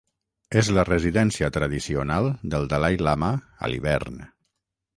És la residència tradicional del dalai-lama a l'hivern.